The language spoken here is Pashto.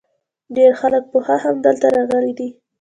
ډیری خلک پخوا هم دلته راغلي دي